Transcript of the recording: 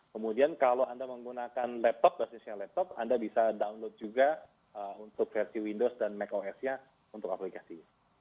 kemudian kalau anda menggunakan laptop basisnya laptop anda bisa download juga untuk versi windows dan make oed nya untuk aplikasi